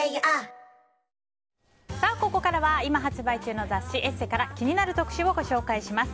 ここからは今発売中の雑誌「ＥＳＳＥ」から気になる特集をご紹介します。